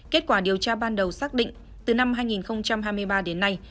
kết quả điều tra ban đầu xác định từ năm hai nghìn hai mươi ba đến nay